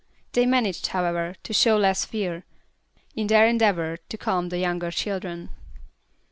They managed, however, to show less fear, in their endeavor to calm the younger children.